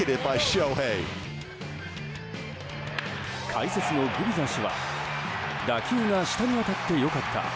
解説のグビザ氏は打球が下に当たって良かった。